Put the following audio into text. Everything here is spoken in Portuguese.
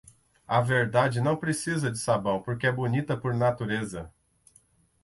A verdade não precisa de sabão porque é bonita por natureza.